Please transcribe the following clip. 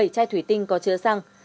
bảy chai thủy tinh có chứa xăng